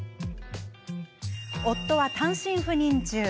夫は単身赴任中。